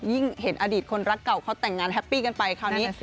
เห็นอดีตคนรักเก่าเขาแต่งงานแฮปปี้กันไปคราวนี้